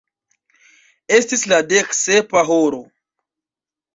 Estis la dek sepa horo.